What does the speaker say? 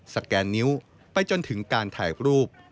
แกนนิ้วไปจนถึงการถ่ายรูป